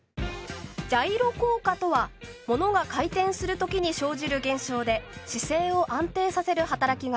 「ジャイロ効果」とは物が回転する時に生じる現象で姿勢を安定させる働きがあります。